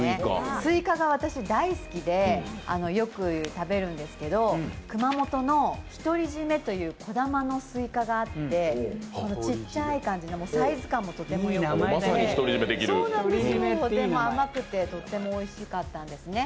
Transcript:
すいかが私、大好きで、よく食べるんですけど、熊本のひとりじめという小玉のすいかがあってちっちゃい感じでサイズ感もよくて、とても甘くてとてもおいしかったんですね。